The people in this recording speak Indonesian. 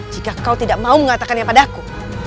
jika kau tidak mau mengatakannya padaku